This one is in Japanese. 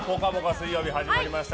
水曜日始まりました。